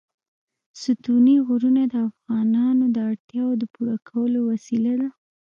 ستوني غرونه د افغانانو د اړتیاوو د پوره کولو وسیله ده.